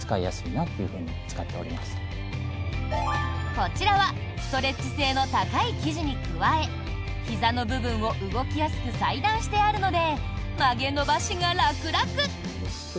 こちらはストレッチ性の高い生地に加えひざの部分を動きやすく裁断してあるので曲げ伸ばしが楽々！